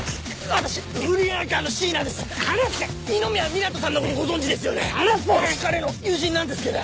私彼の友人なんですけど。